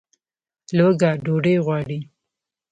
لوږه ډوډۍ غواړي